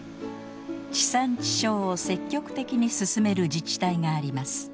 地産地消を積極的に進める自治体があります。